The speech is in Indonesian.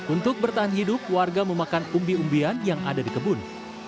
untuk bertahan hidup warga memakan umbi umbian yang ada di kebun